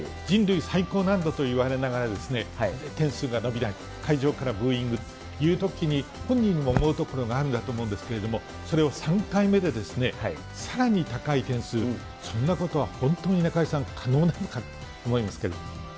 人類最高難度といわれながら点数が出ない、会場からブーイングっていうときに、本人も思うところがあると思うんですけれども、それを３回目で、さらに高い点数、そんなこと本当に中井さん、可能なのかと思いますけど。